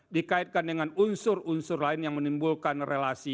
dikaitkan dengan unsur unsur lain yang menimbulkan relasi